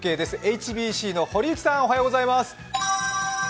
ＨＢＣの堀内さんおはようございます。